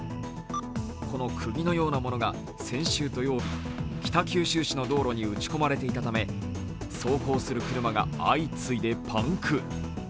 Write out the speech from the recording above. このくぎのようなものが先週土曜日北九州市の道路に打ち込まれていたため走行する車が相次いでパンク。